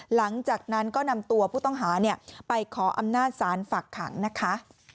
หลังจากนั้นก็นำตัวผู้ต้องหาไปขออำนาจศาลฝักขังนะคะ